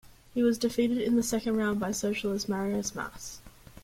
He was defeated in the second round by Socialist Marius Masse.